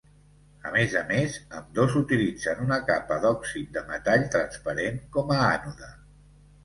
A més a més, ambdós utilitzen una capa d’òxid de metall transparent com a ànode.